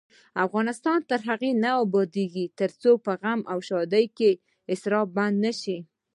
افغانستان تر هغو نه ابادیږي، ترڅو په غم او ښادۍ کې اسراف بند نشي.